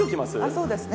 そうですね。